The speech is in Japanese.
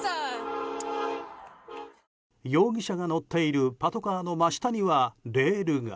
容疑者が乗っているパトカーの真下にはレールが。